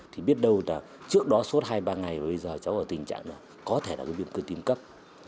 thì biết đâu là trước đó suốt hai ba ngày bây giờ cháu ở tình trạng có thể là biên cư tim cấp